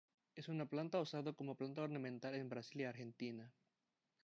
Es una planta usada como planta ornamental en Brasil y Argentina.